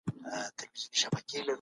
ملت هېرېږي.